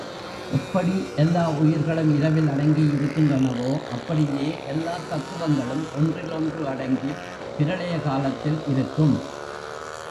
எப்படி எல்லா உயிர்களும் இரவில் அடங்கி இருக்கின்றனவோ, அப்படியே எல்லாத் தத்துவங்களும் ஒன்றில் ஒன்று அடங்கிப் பிரளயகாலத்தில் இருக்கும்.